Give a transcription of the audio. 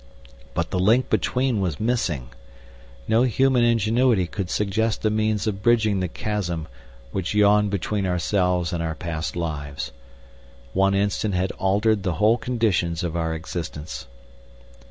But the link between was missing. No human ingenuity could suggest a means of bridging the chasm which yawned between ourselves and our past lives. One instant had altered the whole conditions of our existence.